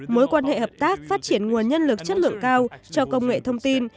mối quan hệ hợp tác phát triển nguồn nhân lực chất lượng cao cho công nghệ thông tin